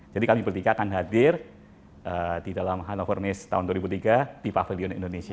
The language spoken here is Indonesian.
jadi kami bertiga akan hadir di dalam hannover mes tahun dua ribu tiga di pavilion indonesia